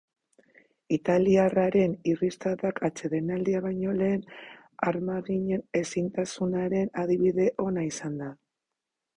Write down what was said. Italiarraren irristadak atsedenaldia baino lehen armaginen ezintasunaren adibide ona izan da.